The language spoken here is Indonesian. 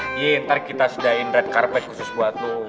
ntar kita sedain red carpet khusus buat lo